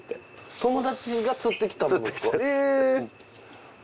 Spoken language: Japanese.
友達が釣ってきたものですか？